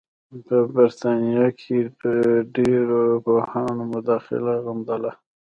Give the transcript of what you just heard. په برټانیه کې ډېرو پوهانو مداخله غندله.